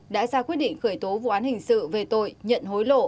đã ra quyết định khởi tố vụ án hình sự về tội nhận hối lộ